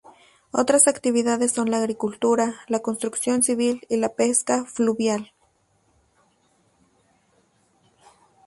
Otras actividades son la agricultura, la construcción civil y la pesca fluvial.